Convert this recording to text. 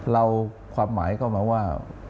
เราความหมายก็หมายว่า